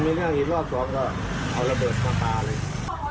มีเรื่องอีกรอบสองก็เอาระเบิดมาปลาเลย